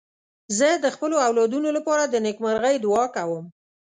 زه د خپلو اولادونو لپاره د نېکمرغۍ دعا کوم.